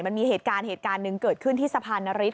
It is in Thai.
มันมีเหตุการณ์เหตุการณ์หนึ่งเกิดขึ้นที่สะพานนฤทธ